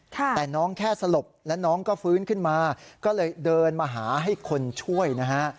แต่น้องแค่สลบแล้วน้องก็ฟื้นขึ้นมาก็เลยเดินมาหาให้คนช่วยนะฮะ